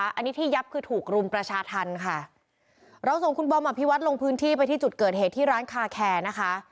อันนี้ที่ยับคือถูกรุมประชาธรรมค่ะเราส่งคุณบอมอภิวัตรลงพื้นที่ไปที่จุดเกิดเหตุที่ร้านคาแคร์นะคะ